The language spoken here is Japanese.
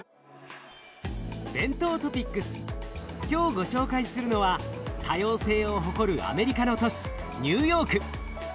今日ご紹介するのは多様性を誇るアメリカの都市ニューヨーク。